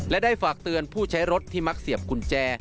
และได้ฝากเตือนผู้ใช้รถที่มักเสียบกุญแจ